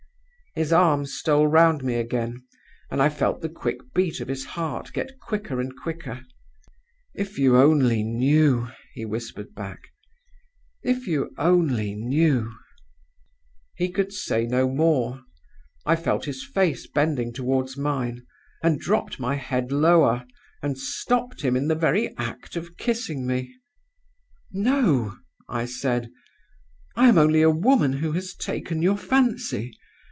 "His arm stole round me again; and I felt the quick beat of his heart get quicker and quicker. 'If you only knew!' he whispered back; 'if you only knew ' He could say no more. I felt his face bending toward mine, and dropped my head lower, and stopped him in the very act of kissing me. "'No,' I said; 'I am only a woman who has taken your fancy.